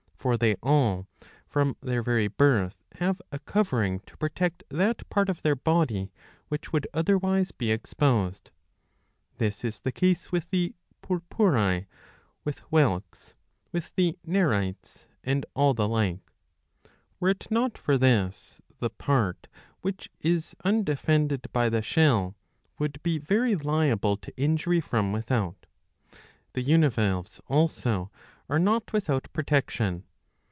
For they all, from their very birth, have a covering to protect that part of their body which would otherwise be exposed.^^ This is the case with the Purpurae, with whelks, with the Nerites,^^ and all the like. Were it not for this, the part which is undefended by the shell would be very liable to injury from without. The Univalves also are not without pro tection.